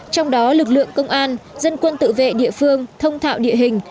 trong đó lực lượng công an dân quân tự vệ địa phương thông thạo địa hình